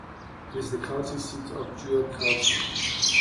It is the county seat of Juab County.